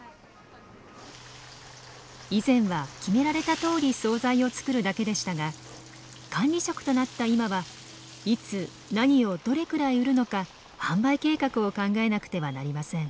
以前は決められたとおり惣菜を作るだけでしたが管理職となった今はいつ何をどれくらい売るのか販売計画を考えなくてはなりません。